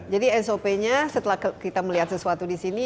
jadi sop nya setelah kita melihat sesuatu disini